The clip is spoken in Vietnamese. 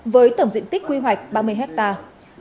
với tổng diện tích quy hoạch ba mươi hectare